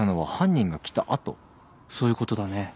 そういうことだね。